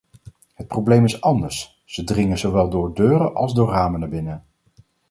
Het probleem is anders: ze dringen zowel door deuren als door ramen naar binnen.